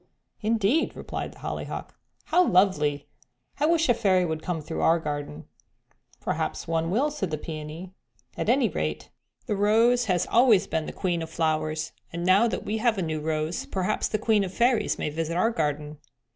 '" "Indeed!" replied the Hollyhock. "How lovely; I wish a fairy would come through our garden." "Perhaps one will," said the Peony. "At any rate the Rose has always been the queen of flowers, and now that we have a new rose perhaps the Queen of the Fairies may visit our garden."